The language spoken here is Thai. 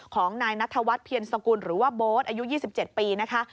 ของนายนัทวัฒนเพียรสกุลหรือว่าโบ๊ทอายุ๒๗ปีนะคะ